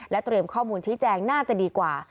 เตรียมข้อมูลชี้แจงน่าจะดีกว่า